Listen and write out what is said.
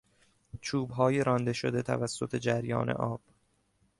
چوبهای رانده شده توسط جریان آب